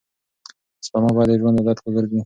سپما باید د ژوند عادت وګرځي.